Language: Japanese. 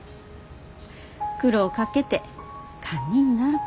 「苦労かけて堪忍な。